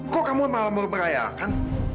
kok kamu malah mau merayakan